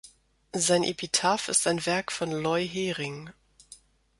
Sein Epitaph ist ein Werk von Loy Hering.